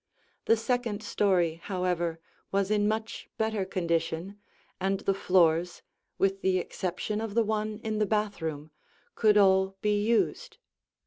The second story, however, was in much better condition, and the floors, with the exception of the one in the bathroom, could all be used.